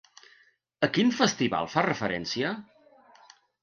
A quin festival fa referència?